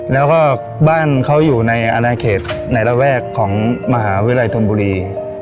แล้วก็บ้านเขาอยู่ในอนาเขตในระแวกของมหาวิทยาลัยธนบุรี